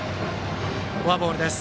フォアボールです。